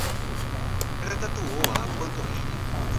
Ela tatuou a panturrilha